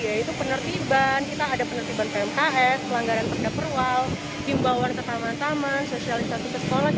yaitu penertiban kita ada penertiban pmks pelanggaran perda perwal himbauan ke taman taman sosialisasi ke sekolah